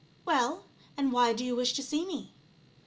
" Well, and why do you wish to see me